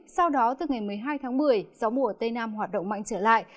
sau đó từ ngày một mươi hai tháng một mươi gió mùa tây nam hoạt động mạnh trở lại